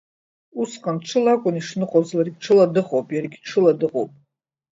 Усҟан ҽыла акәын ишныҟәоз, ларгьы ҽыла дыҟоуп, иаргьы ҽыла дыҟоуп.